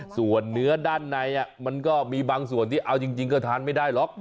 ส่วนเนื้อด้านในมันก็มีบางส่วนที่เอาจริงก็ทานไม่ได้หรอก